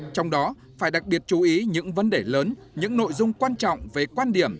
trong đó phải đặc biệt chú ý những vấn đề lớn những nội dung quan trọng về quan điểm